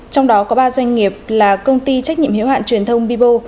trong đó có ba doanh nghiệp là công ty trách nhiệm hiệu hạn truyền thông bibo